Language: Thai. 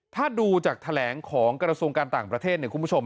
ถ้าดูจากแถลงของกรสูงการต่างประเทศ